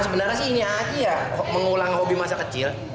sebenarnya ini aja ya mengulang hobi masa kecil